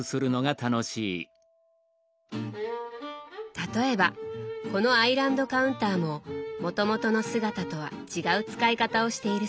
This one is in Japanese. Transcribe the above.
例えばこのアイランドカウンターももともとの姿とは違う使い方をしているそうです。